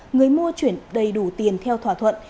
người mua chuyển đầy đủ tiền theo thỏa thuận